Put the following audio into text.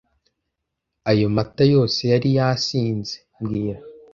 Ayo mata yose yari yasinze mbwira